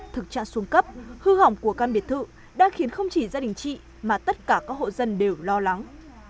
thực trạng xuống cấp hư hỏng của căn biệt thự đang khiến không chỉ gia đình chị mà tất cả các hộ dân đều lo lắng